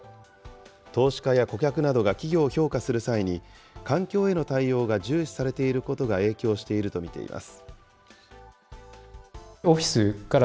投資家や顧客などが企業を評価する際に、環境への対応が重視されていることが影響していると見ています。